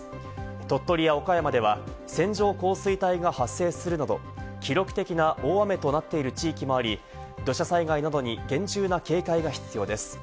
鳥取や岡山では線状降水帯が発生するなど、記録的な大雨となっている地域もあり、土砂災害などに厳重な警戒が必要です。